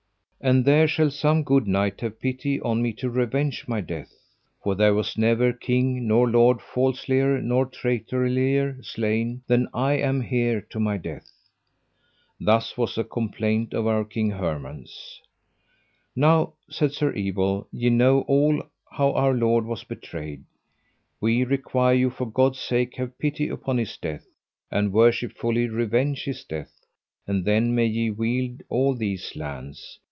And there shall some good knight have pity on me to revenge my death, for there was never king nor lord falslier nor traitorlier slain than I am here to my death. Thus was the complaint of our King Hermance. Now, said Sir Ebel, ye know all how our lord was betrayed, we require you for God's sake have pity upon his death, and worshipfully revenge his death, and then may ye wield all these lands.